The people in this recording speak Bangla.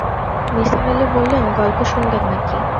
নিসার আলি বললেন, গল্প শুনবেন নাকি?